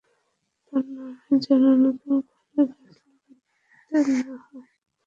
তোর নামে যেন নতুন করে গাছ লাগাতে না হয়।